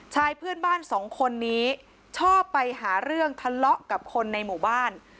เพื่อนบ้านสองคนนี้ชอบไปหาเรื่องทะเลาะกับคนในหมู่บ้าน